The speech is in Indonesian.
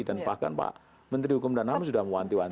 bahkan pak menteri hukum dan ham sudah mewanti wanti